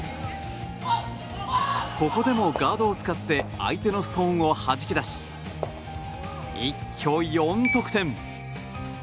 ここでもガードを使って相手のストーンをはじき出し一挙４得点！